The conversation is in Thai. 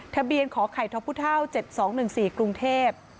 ทะเบียนขอไข่ทอพุท่าว๗๒๑๔กรุงเทพฯ